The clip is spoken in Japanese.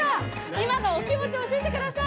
今のお気持ち、教えてください。